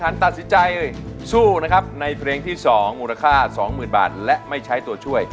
นะครับเพลงที่สองมูลค่าสองหมื่นบาท